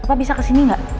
bapak bisa kesini gak